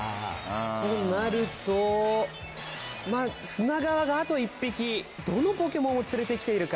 となると砂川があと１匹どのポケモンを連れてきているか。